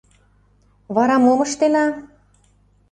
Вара мом ыштена?